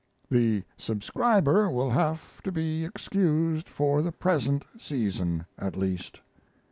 The subscriber will have to be excused for the present season at least.